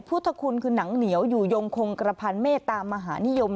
พุทธคุณคือหนังเหนียวอยู่ยงคงกระพันเมตตามหานิยม